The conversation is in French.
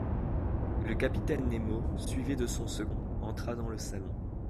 Le capitaine Nemo, suivi de son second, entra dans le salon.